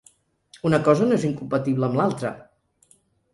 Una cosa no és incompatible amb l’altra.